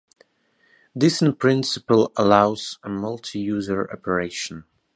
This in principle allows a multi-user operation.